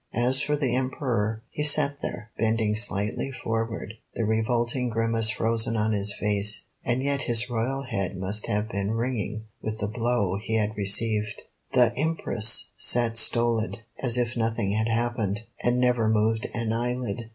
As for the Emperor, he sat there, bending slightly forward, the revolting grimace frozen on his face, and yet his royal head must have been ringing with the blow he had received. The Empress sat stolid, as if nothing had happened, and never moved an eyelid.